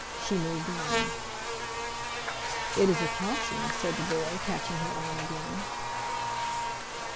She moved on. "It is a caution," said the boy, catching her arm again.